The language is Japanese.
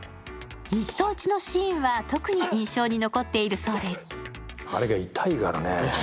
ミット打ちのシーンは特に印象に残っているそうです。